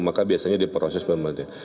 maka biasanya di proses pemberhentian